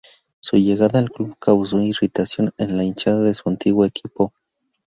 Su llegada al club causó irritación en la hinchada de su antiguo equipo.